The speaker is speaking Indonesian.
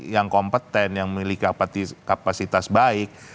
yang kompeten yang memiliki kapasitas baik